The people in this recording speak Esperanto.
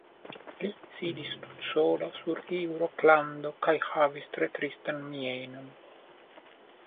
Li sidis tutsola sur iu rokrando, kaj havis tre tristan mienon.